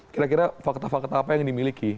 kira kira fakta fakta apa yang dimiliki